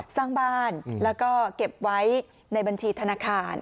สร้างบ้านแล้วก็เก็บไว้ในบัญชีธนาคาร